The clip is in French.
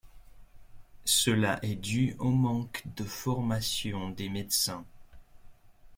Cela est dû au manque de formation des Médecins.